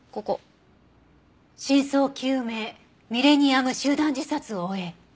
「真相究明ミレニアム集団自殺を追え！」